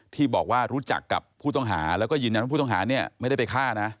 ที่บอกว่ารู้จักกับผู้ต้องหาแล้วก็ยืนยันว่าผู้ต้องหาเนี่ยไม่ได้ไปฆ่านะ